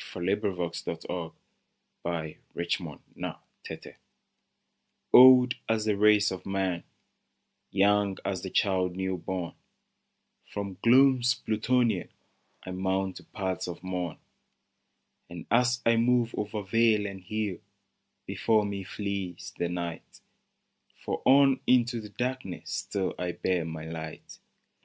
71 CIVILIZATION /^LD as the race of man, Young as the child new born, From glooms Plutonian I mount to paths of morn ; And as I move o'er vale and hill. Before me flees the night, For on into the darkness still I bear my light.